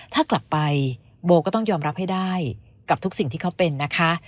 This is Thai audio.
ถ้ากลับไปโบก็ต้องยอมรับให้ได้กับทุกสิ่งที่เขาเป็นนะคะ